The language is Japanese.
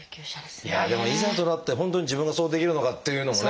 いやでもいざとなって本当に自分がそうできるのかっていうのもね。